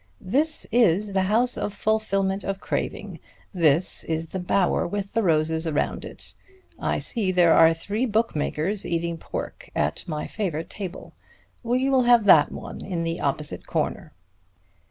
"This is the house of fulfilment of craving, this is the bower with the roses around it. I see there are three bookmakers eating pork at my favorite table. We will have that one in the opposite corner."